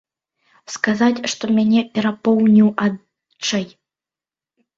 Сказаць, што мяне перапоўніў адчай?